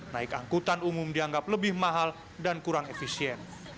naik angkutan umum dianggap lebih mahal dan kurang efisien